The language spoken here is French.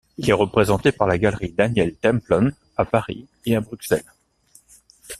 Il est représenté par la Galerie Daniel Templon à Paris et à Bruxelles.